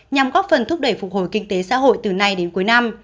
nhằm góp phần thúc đẩy phục hồi kinh tế xã hội từ nay đến cuối năm